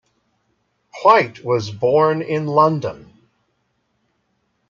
White was born in London.